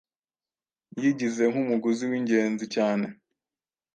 yigize nk'umuguzi w'ingenzi cyane